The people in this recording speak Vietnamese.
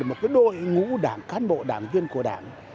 một cái đội ngũ đảng cán bộ đảng viên của đảng